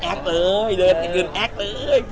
แอ๊กเลยเดินอื่นแอ๊กเลย